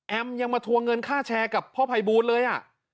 ยังมาทวงเงินค่าแชร์กับพ่อภัยบูลเลย